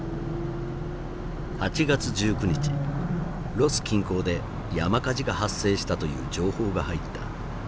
ロス近郊で山火事が発生したという情報が入った。